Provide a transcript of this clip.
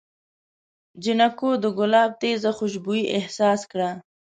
جانکو د ګلاب تېزه خوشبويي احساس کړه.